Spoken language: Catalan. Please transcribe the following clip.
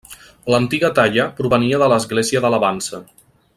L'antiga talla provenia de l'església de La Vansa.